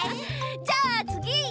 じゃあつぎ！